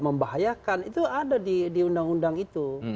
membahayakan itu ada di undang undang itu